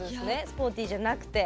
スポーティーじゃなくて。